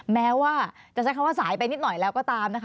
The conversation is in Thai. แม้ว่าจะใช้คำว่าสายไปนิดหน่อยแล้วก็ตามนะคะ